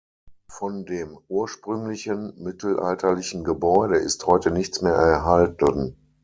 Von dem ursprünglichen mittelalterlichen Gebäude ist heute nichts mehr erhalten.